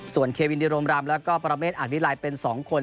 ส่วนเควินดิโรมรำแล้วก็ปรเมฆอาจวิลัยเป็น๒คน